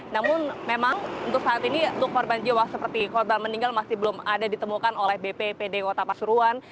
namun memang untuk saat ini untuk korban jiwa seperti korban meninggal masih belum ada ditemukan oleh bppd kota pasuruan